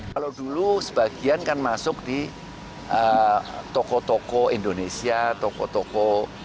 kalau dulu sebagian kan masuk di toko toko indonesia toko toko